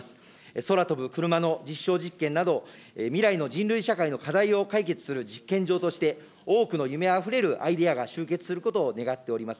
空飛ぶ車の実証実験など、未来の人類社会の課題を解決する実験場として、多くの夢あふれるアイデアが集結することを願っております。